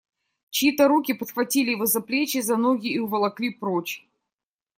Чьи-то руки подхватили его за плечи, за ноги и уволокли прочь.